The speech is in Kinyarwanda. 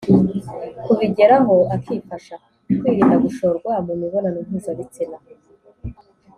kubigeraho, akifasha. Kwirinda gushorwa mu mibonano mpuzabitsina